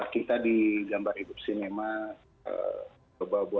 kita digambar hidup sinema berbual